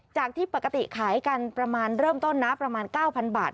จากที่ปกติขายกันประมาณเริ่มต้นนะประมาณ๙๐๐บาท